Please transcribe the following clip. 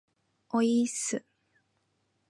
おいーっす